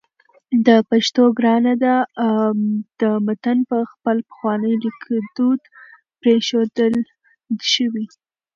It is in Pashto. د پښتو ګرانه ده متن په خپل پخواني لیکدود پرېښودل شوی